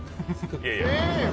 いやいや。